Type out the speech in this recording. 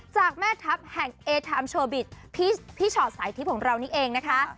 จากแม่ทัพแห่งเอทามโชบิตพี่ชอตสายทิพย์ของเรานี่เองนะคะ